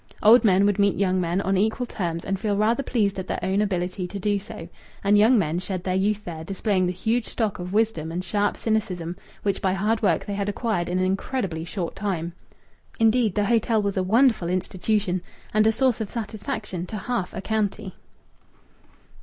Old men would meet young men on equal terms, and feel rather pleased at their own ability to do so. And young men shed their youth there, displaying the huge stock of wisdom and sharp cynicism which by hard work they had acquired in an incredibly short time. Indeed, the hotel was a wonderful institution, and a source of satisfaction to half a county.